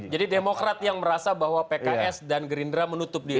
jadi demokrat yang merasa bahwa pks dan gerindra menutup diri